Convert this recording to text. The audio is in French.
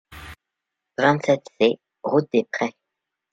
vingt-sept C route des Prés